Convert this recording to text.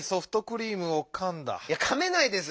いやかめないです。